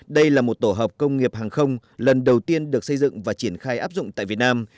đây là một tổ hợp công nghiệp hàng không lần đầu tiên được xây dựng và triển khai áp dụng tại việt nam